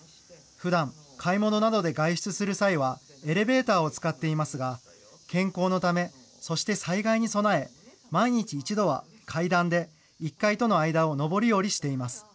ふだん、買い物などで外出する際はエレベーターを使っていますが、健康のため、そして災害に備え、毎日１度は階段で１階との間を上り下りしています。